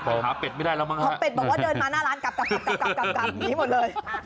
ผัดหาเป็ดไม่ได้แล้วถามเป็ดบอกว่าเดินมาหน้าร้านกลับงี้หมดเลย